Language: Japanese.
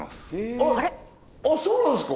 あっあっそうなんすか！？